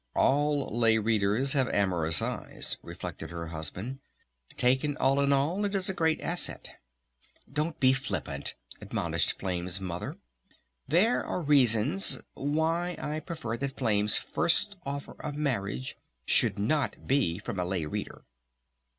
"All Lay Readers have amorous eyes," reflected her husband. "Taken all in all it is a great asset." "Don't be flippant!" admonished Flame's Mother. "There are reasons ... why I prefer that Flame's first offer of marriage should not be from a Lay Reader."